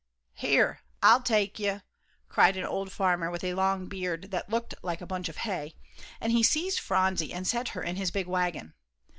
"Here, I'll take you," cried an old farmer with a long beard that looked like a bunch of hay, and he seized Phronsie and set her in his big wagon.